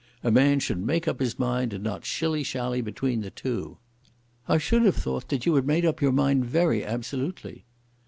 A man should make up his mind and not shilly shally between the two." "I should have thought you had made up your mind very absolutely."